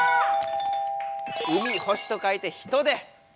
「海星」と書いてヒトデ。